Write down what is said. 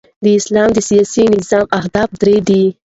د اسلام د سیاسي نظام اهداف درې دي.